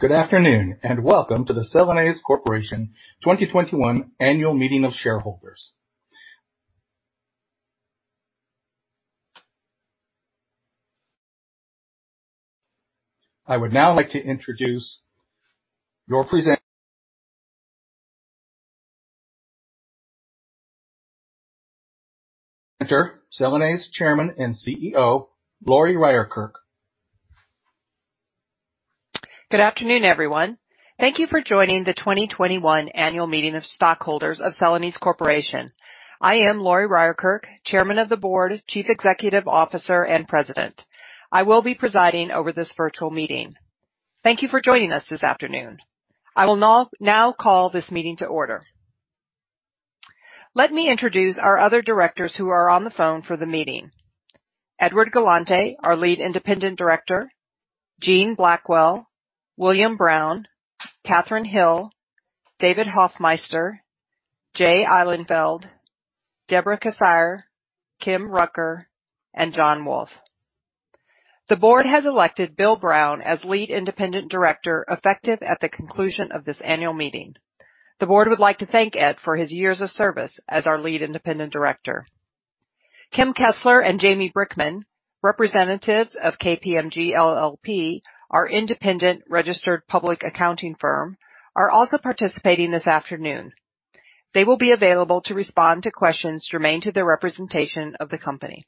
Good afternoon, and welcome to the Celanese Corporation 2021 annual meeting of shareholders. I would now like to introduce your presenter, Celanese Chairman and CEO, Lori Ryerkerk. Good afternoon, everyone. Thank you for joining the 2021 annual meeting of stockholders of Celanese Corporation. I am Lori Ryerkerk, Chairman of the Board, Chief Executive Officer, and President. I will be presiding over this virtual meeting. Thank you for joining us this afternoon. I will now call this meeting to order. Let me introduce our other directors who are on the phone for the meeting. Edward Galante, our Lead Independent Director, Jean Blackwell, William Brown, Kathryn Hill, David Hoffmeister, Jay Ihlenfeld, Deborah Kissire, Kim Rucker, and John Wulff. The board has elected Bill Brown as Lead Independent Director, effective at the conclusion of this annual meeting. The board would like to thank Ed for his years of service as our Lead Independent Director. Kim Kesler and Jamie Brickman, representatives of KPMG LLP, our independent registered public accounting firm, are also participating this afternoon. They will be available to respond to questions germane to their representation of the company.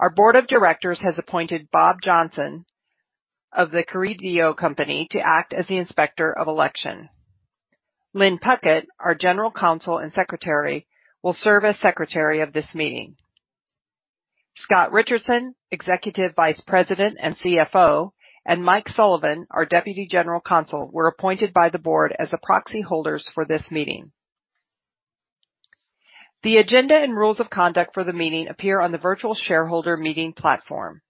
Our Board of Directors has appointed Bob Johnson of The Carideo Company to act as the Inspector of Election. Lynne Puckett, our General Counsel and Secretary, will serve as Secretary of this meeting. Scott Richardson, Executive Vice President and CFO, and Michael Sullivan, our Deputy General Counsel, were appointed by the board as the proxy holders for this meeting. The agenda and rules of conduct for the meeting appear on the virtual shareholder meeting platform.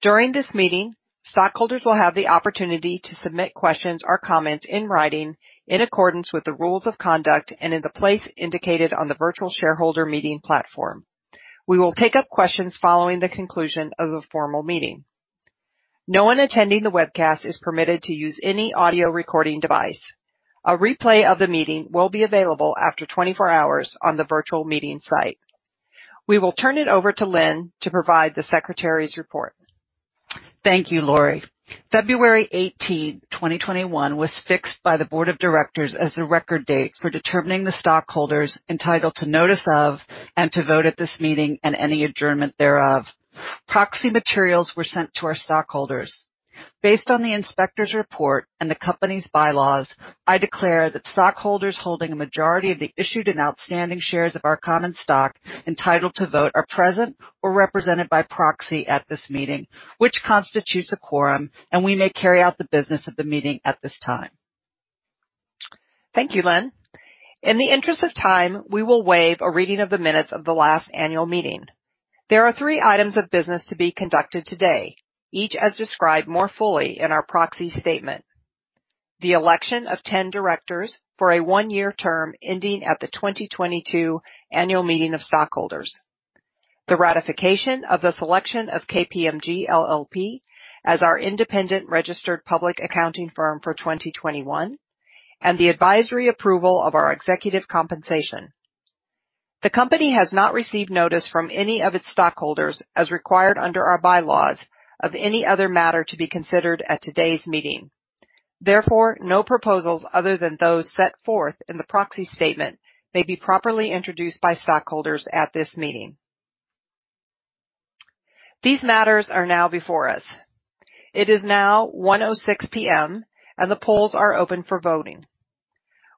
During this meeting, stockholders will have the opportunity to submit questions or comments in writing in accordance with the rules of conduct and in the place indicated on the virtual shareholder meeting platform. We will take up questions following the conclusion of the formal meeting. No one attending the webcast is permitted to use any audio recording device. A replay of the meeting will be available after 24 hours on the virtual meeting site. We will turn it over to Lynne to provide the Secretary's report. Thank you, Lori. February 18th, 2021, was fixed by the Board of Directors as the record date for determining the stockholders entitled to notice of, and to vote at this meeting and any adjournment thereof. Proxy materials were sent to our stockholders. Based on the Inspector's report and the company's bylaws, I declare that stockholders holding a majority of the issued and outstanding shares of our common stock entitled to vote are present or represented by proxy at this meeting, which constitutes a quorum, and we may carry out the business of the meeting at this time. Thank you, Lynne. In the interest of time, we will waive a reading of the minutes of the last annual meeting. There are three items of business to be conducted today, each as described more fully in our proxy statement. The election of 10 directors for a one-year term ending at the 2022 annual meeting of stockholders. The ratification of the selection of KPMG LLP as our independent registered public accounting firm for 2021, and the advisory approval of our executive compensation. The company has not received notice from any of its stockholders, as required under our bylaws, of any other matter to be considered at today's meeting. Therefore, no proposals other than those set forth in the proxy statement may be properly introduced by stockholders at this meeting. These matters are now before us. It is now 1:06 P.M., and the polls are open for voting.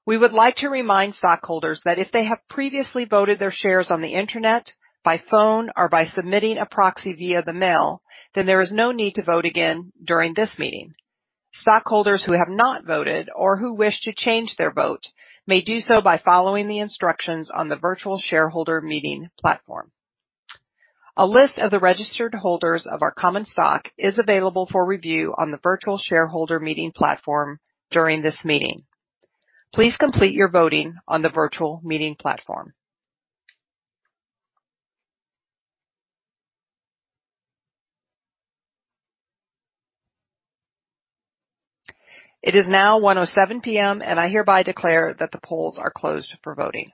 We would like to remind stockholders that if they have previously voted their shares on the internet, by phone, or by submitting a proxy via the mail, then there is no need to vote again during this meeting. Stockholders who have not voted or who wish to change their vote may do so by following the instructions on the virtual shareholder meeting platform. A list of the registered holders of our common stock is available for review on the virtual shareholder meeting platform during this meeting. Please complete your voting on the virtual meeting platform. It is now 1:07 P.M., I hereby declare that the polls are closed for voting.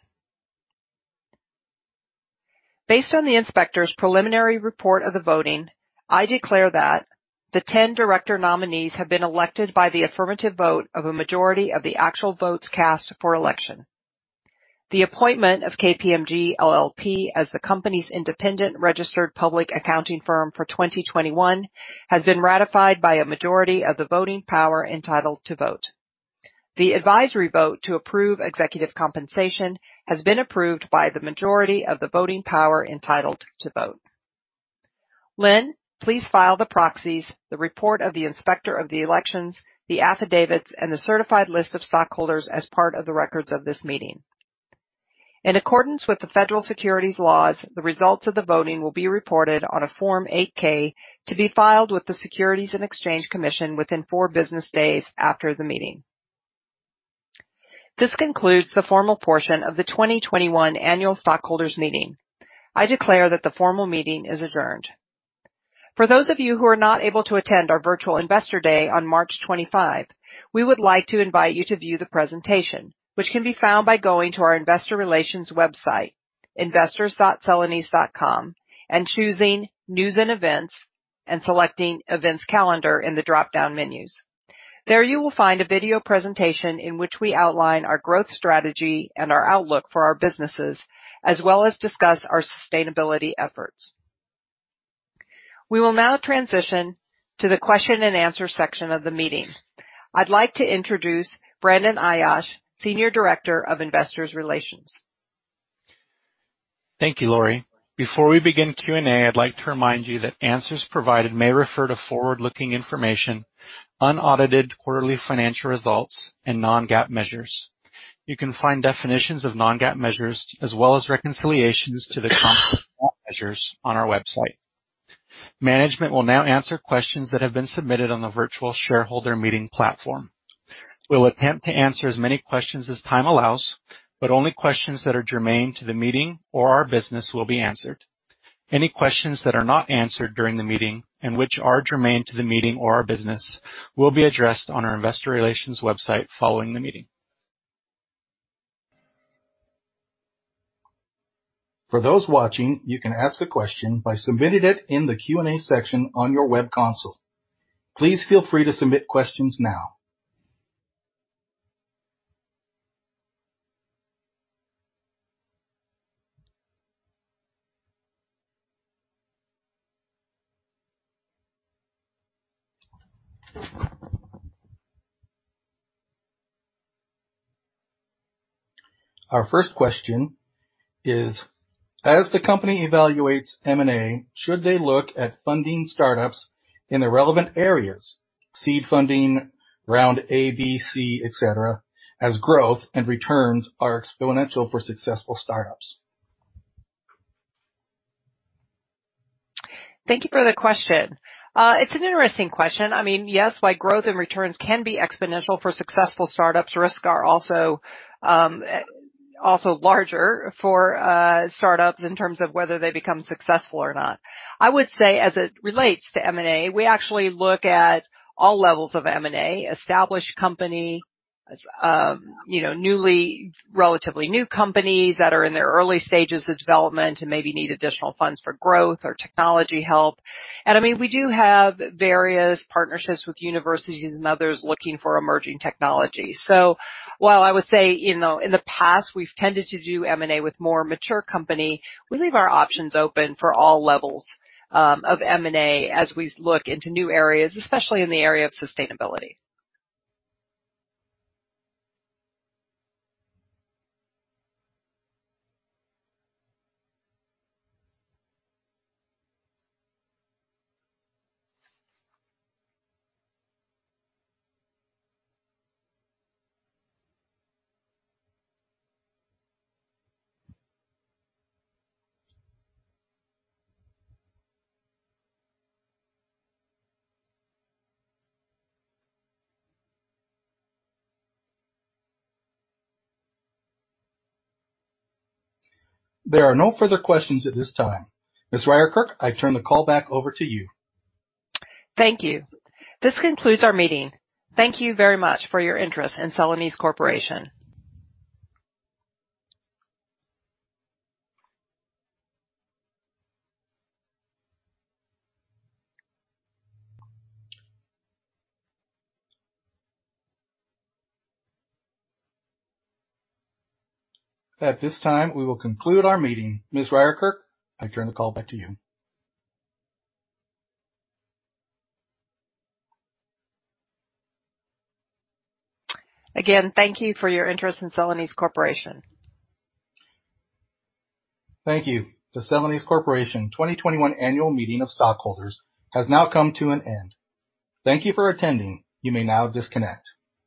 Based on the Inspector's preliminary report of the voting, I declare that the 10 director nominees have been elected by the affirmative vote of a majority of the actual votes cast for election. The appointment of KPMG LLP as the company's independent registered public accounting firm for 2021 has been ratified by a majority of the voting power entitled to vote. The advisory vote to approve executive compensation has been approved by the majority of the voting power entitled to vote. Lynne, please file the proxies, the report of the Inspector of the Elections, the affidavits, and the certified list of stockholders as part of the records of this meeting. In accordance with the federal securities laws, the results of the voting will be reported on a Form 8-K to be filed with the Securities and Exchange Commission within four business days after the meeting. This concludes the formal portion of the 2021 annual stockholders meeting. I declare that the formal meeting is adjourned. For those of you who are not able to attend our virtual investor day on March 25, we would like to invite you to view the presentation, which can be found by going to our investor relations website, investors.celanese.com, and choosing News and Events, and selecting Events Calendar in the drop-down menus. There you will find a video presentation in which we outline our growth strategy and our outlook for our businesses, as well as discuss our sustainability efforts. We will now transition to the question and answer section of the meeting. I'd like to introduce Brandon Ayache, Senior Director of Investors Relations. Thank you, Lori. Before we begin Q&A, I'd like to remind you that answers provided may refer to forward-looking information, unaudited quarterly financial results, and non-GAAP measures. You can find definitions of non-GAAP measures as well as reconciliations to the GAAP measures on our website. Management will now answer questions that have been submitted on the virtual shareholder meeting platform. We'll attempt to answer as many questions as time allows, but only questions that are germane to the meeting or our business will be answered. Any questions that are not answered during the meeting and which are germane to the meeting or our business will be addressed on our investor relations website following the meeting. For those watching, you can ask a question by submitting it in the Q&A section on your web console. Please feel free to submit questions now. Our first question is: As the company evaluates M&A, should they look at funding startups in the relevant areas, seed funding, round A, B, C, et cetera, as growth and returns are exponential for successful startups? Thank you for the question. It's an interesting question. Yes, while growth and returns can be exponential for successful startups, risks are also larger for startups in terms of whether they become successful or not. I would say, as it relates to M&A, we actually look at all levels of M&A, established company, relatively new companies that are in their early stages of development and maybe need additional funds for growth or technology help. We do have various partnerships with universities and others looking for emerging technology. While I would say, in the past, we've tended to do M&A with more mature company, we leave our options open for all levels of M&A as we look into new areas, especially in the area of sustainability. There are no further questions at this time. Ms. Ryerkerk, I turn the call back over to you. Thank you. This concludes our meeting. Thank you very much for your interest in Celanese Corporation. At this time, we will conclude our meeting. Ms. Ryerkerk, I turn the call back to you. Again, thank you for your interest in Celanese Corporation. Thank you. The Celanese Corporation 2021 annual meeting of stockholders has now come to an end. Thank you for attending. You may now disconnect.